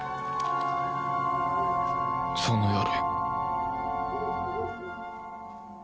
その夜。